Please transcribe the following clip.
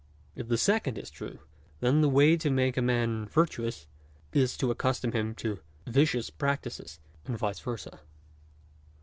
If the second is true, then the way to make a man virtuous is to accustom him to vicious practices, and vice versd.